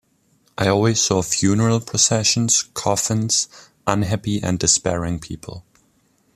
I always saw funeral processions, coffins, unhappy and despairing people.